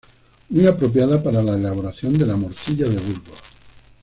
Muy apropiada para la elaboración de la morcilla de Burgos.